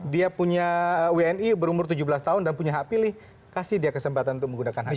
dia punya wni berumur tujuh belas tahun dan punya hak pilih kasih dia kesempatan untuk menggunakan hak pilih